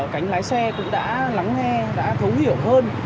cánh lái xe cũng đã lắng nghe đã thấu hiểu hơn